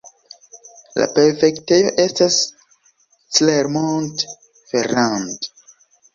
La prefektejo estas Clermont-Ferrand.